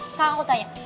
sekarang aku tanya